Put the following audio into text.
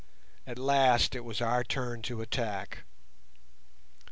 At last it was our turn to attack.